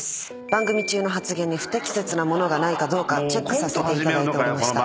番組中の発言に不適切なものがないかどうかチェックさせていただいておりました。